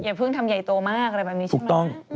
เพิ่งทำใหญ่โตมากอะไรแบบนี้ใช่ไหม